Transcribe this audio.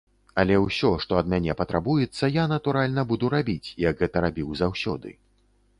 Але ўсё, што ад мяне патрабуецца, я, натуральна, буду рабіць, як гэта рабіў заўсёды.